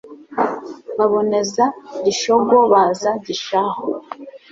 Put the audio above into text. Baboneza Gishogo baza Gishahu